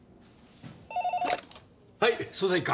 はい捜査一課。